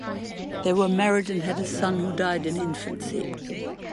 They were married and had a son who died in infancy.